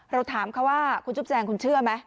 เราถามเขาว่าคุณจุ๊บแจงคุณเชื่อไหม